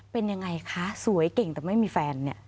เป็นอย่างไรคะสวยเก่งแต่ไม่มีแฟน